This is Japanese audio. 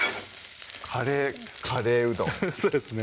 カレー・カレーうどんそうですね